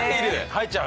入っちゃう？